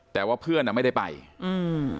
แต่ว่าเพื่อนอ่ะไม่ได้ไปอืม